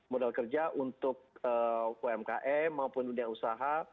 modal kerja untuk umkm maupun dunia usaha